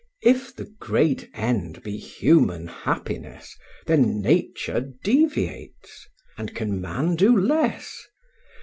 If the great end be human happiness, Then Nature deviates; and can man do less?